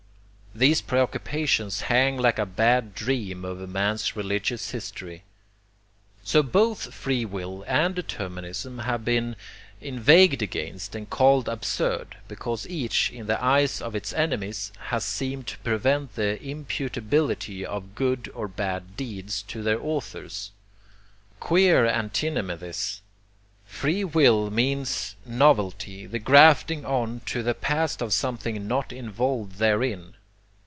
these preoccupations hang like a bad dream over man's religious history. So both free will and determinism have been inveighed against and called absurd, because each, in the eyes of its enemies, has seemed to prevent the 'imputability' of good or bad deeds to their authors. Queer antinomy this! Free will means novelty, the grafting on to the past of something not involved therein.